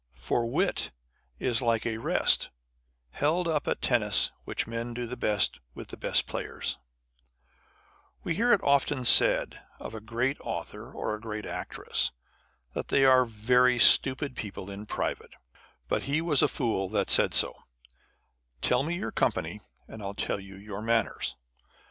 For wit is like a rest Held up at tennis, which men do the best With the best players. We actress, that they are very stupid people in private. But he was a fool that said so. Tell me your company, and Til tell you your manners.